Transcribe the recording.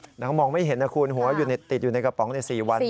ตกใจครับแล้วมองไม่เห็นนะคุณหัวติดอยู่ในกระป๋องใน๔วัน